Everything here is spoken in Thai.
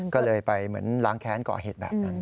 ก็เลยไปเหมือนล้างแค้นก่อเหตุแบบนั้น